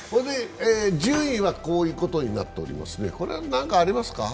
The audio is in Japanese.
順位はこういうことになっていますが何かありますか？